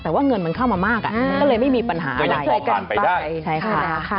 แต่ว่าเงินมันเข้ามามากอ่ะก็เลยไม่มีปัญหาอะไรแต่ยังพอผ่านไปได้ใช่ค่ะ